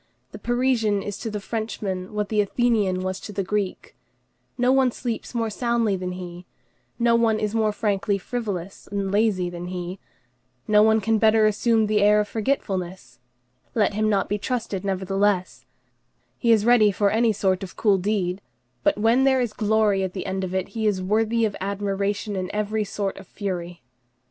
The Parisian is to the Frenchman what the Athenian was to the Greek: no one sleeps more soundly than he, no one is more frankly frivolous and lazy than he, no one can better assume the air of forgetfulness; let him not be trusted nevertheless; he is ready for any sort of cool deed; but when there is glory at the end of it, he is worthy of admiration in every sort of fury.